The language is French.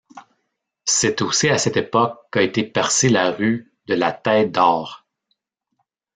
C’est aussi à cette époque qu’a été percée la rue de la Tête-d’Or.